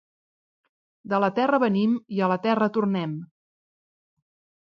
De la terra venim i a la terra tornem.